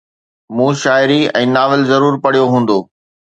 مون شاعري ۽ ناول ضرور پڙهيو هوندو